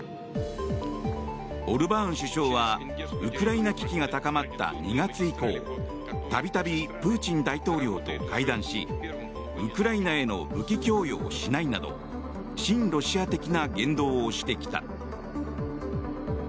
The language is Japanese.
オルバーン首相はウクライナ危機が高まった２月以降度々プーチン大統領と会談しウクライナへの武器供与をしないなど親ロシア的な言動をしてきた。